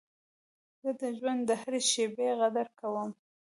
زه د ژوند د هري شېبې قدر کوم.